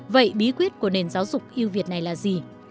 vậy bí quyết của nền giáo dục yêu việt này là gì